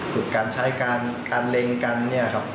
ฝึกการใช้การเร็งกัน